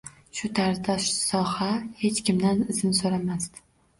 Shu tarzda soha, hech kimdan izn so‘ramasdan